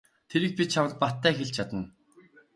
Тэрийг би чамд баттай хэлж чадна.